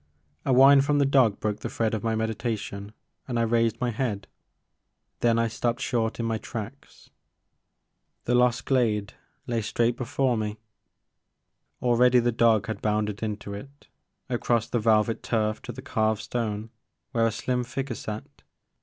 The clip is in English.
A whine from the dog broke the thread of my meditation and I raised my head. Then I stopped short in my tracks. The Maker of Moons. 47 The lost glade lay straight before me. Already the dog had bounded into it, across the velvet turf to the carved stone where a slim figure sat.